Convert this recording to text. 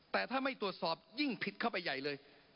แต่ถ้าไม่ตรวจสอบยิ่งผิดเข้าไปใหญ่เลย